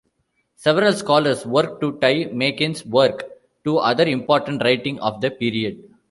Several scholars work to tie Makin's work to other important writing of the period.